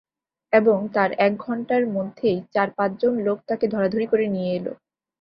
এবং তার এক ঘণ্টার মধ্যেই চার-পাঁচ জন লোক তাকে ধরাধরি করে নিয়ে এল।